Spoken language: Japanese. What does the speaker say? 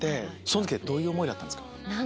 その時はどういう思いだったんですか？